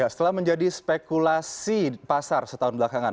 setelah menjadi spekulasi pasar setahun belakangan